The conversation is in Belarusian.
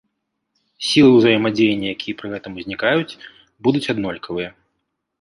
Сілы ўзаемадзеяння, якія пры гэтым узнікаюць, будуць аднолькавыя.